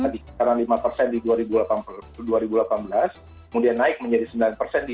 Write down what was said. kisaran lima persen di dua ribu delapan belas kemudian naik menjadi sembilan persen di dua ribu sembilan belas